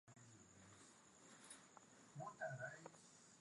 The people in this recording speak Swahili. Bihanga magharibi mwa Uganda